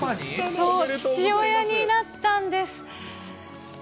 そう、父親になったんです。